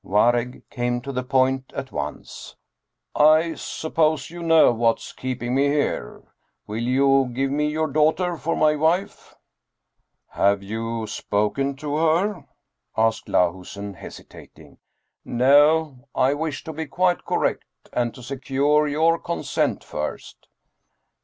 Waregg came to the point at once. " I suppose you know what's keeping me here? Will you give me your daughter for my wife ?"" Have you spoken to her ?" asked Lahusen, hesitating. " No, I wish to be quite correct and to secure your con sent first."